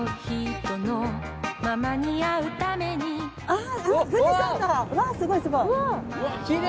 わあすごいすごい。